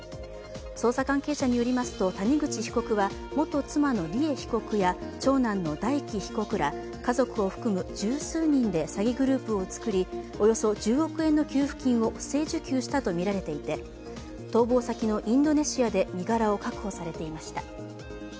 捜査関係者によりますと谷口被告は元妻の梨恵被告や長男の大祈被告ら家族を含む十数人で詐欺グループを作りおよそ１０億円の給付金を不正受給したとみられていて逃亡先のインドネシアで身柄を確保されていました。